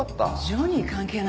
ジョニー関係ないよね。